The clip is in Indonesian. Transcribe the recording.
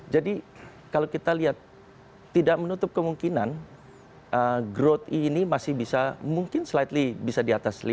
jadi kalau kita lihat tidak menutup kemungkinan growth ini masih bisa mungkin slightly bisa diatas lima satu